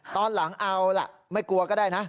ตอนหลังเอาล่ะไม่กลัวก็ได้นะ